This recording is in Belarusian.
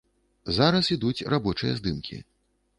Зараз ідуць рабочыя здымкі.